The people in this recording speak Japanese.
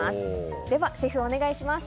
では、シェフお願いします。